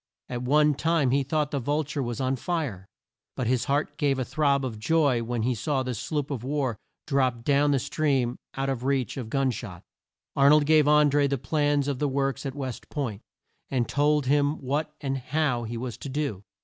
At one time he thought the Vul ture was on fire; but his heart gave a throb of joy when he saw the sloop of war drop down the stream out of reach of gun shot. Ar nold gave An dré the plans of the works at West Point, and told him what and how he was to do.